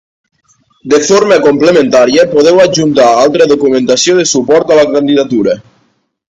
De forma complementària, podeu adjuntar altra documentació de suport a la candidatura.